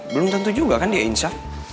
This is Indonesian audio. belum tentu juga kan dia insert